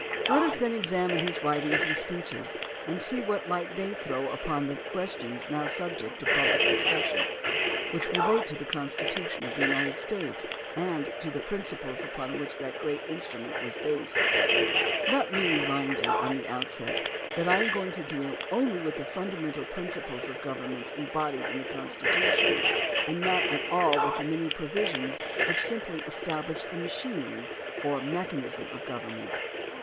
Let us then examine his writings and speeches and see what light they throw upon the questions now sub THE DEMOCRACY OF ABRAHAM LINCOLN 127 ject to public discussion, which relate to the Constitu tion of the United States and to the principles upon which that great instrument was based. Let me remind you at the outset that I am going to deal only with the fundamental principles of govern ment embodied in the Constitution and not at all with the many provisions which simply establish the machineiy or mechanism of government.